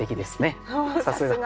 さすが。